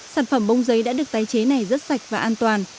sản phẩm bông giấy đã được tái chế này rất sạch và an toàn